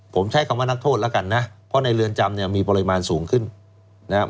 ผมใช้คำว่านักโทษแล้วกันนะเพราะในเรือนจำเนี่ยมีปริมาณสูงขึ้นนะครับ